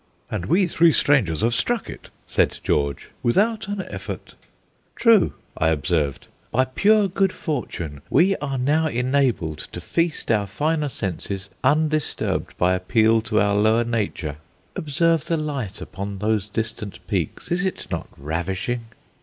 "And we three strangers have struck it," said George, "without an effort." "True," I observed. "By pure good fortune we are now enabled to feast our finer senses undisturbed by appeal to our lower nature. Observe the light upon those distant peaks; is it not ravishing?"